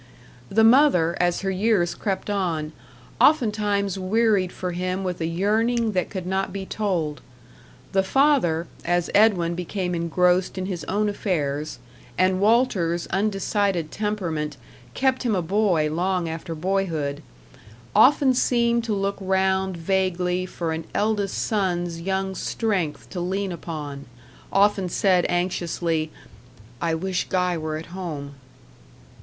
The mother, as her years crept on, oftentimes wearied for him with a yearning that could not be told. The father, as Edwin became engrossed in his own affairs, and Walter's undecided temperament kept him a boy long after boyhood, often seemed to look round vaguely for an eldest son's young strength to lean upon, often said anxiously, "I wish Guy were at home."